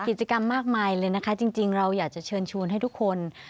กิจกรรมมากมายเลยนะคะจริงเราอยากจะเชิญชวนให้ทุกคน